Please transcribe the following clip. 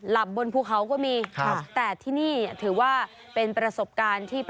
หลับบนภูเขาก็มี